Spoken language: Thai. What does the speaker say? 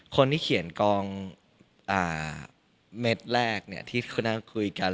คนที่เขียนกลองเม็ดแรกเนี่ยที่คุยกัน